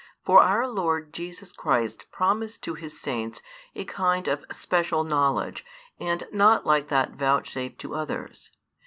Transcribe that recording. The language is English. For our Lord Jesus Christ promised to His Saints a kind of special knowledge and not like that vouchsafed to others.